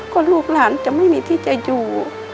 ก็ลูกหลานจะไม่มีที่จะอยู่